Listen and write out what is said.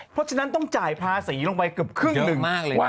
เพราะฉะนั้นต้องจ่ายภาษีลงไปเกือบครึ่งหนึ่งมากเลยว่